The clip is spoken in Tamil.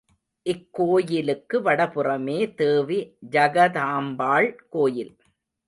இக்கோயிலுக்கு வடபுறமே தேவி ஜகதாம்பாள் கோயில்.